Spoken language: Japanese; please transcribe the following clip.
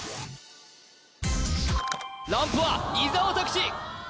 ランプは伊沢拓司